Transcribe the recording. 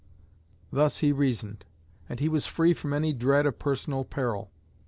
Thus he reasoned; and he was free from any dread of personal peril.